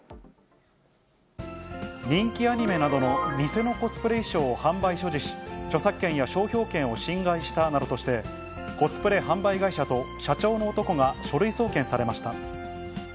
人気アニメなどの偽のコスプレ衣装を販売、所持し、著作権や商標権を侵害したなどとして、コスプレ販売会社と社長の男が書類送検されました。